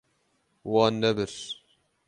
Wan nebir.